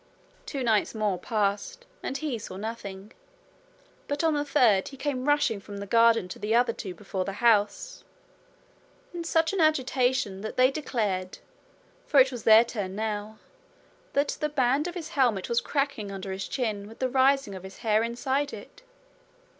Two nights more passed, and he saw nothing; but on the third he came rushing from the garden to the other two before the house, in such an agitation that they declared for it was their turn now that the band of his helmet was cracking under his chin with the rising of his hair inside it.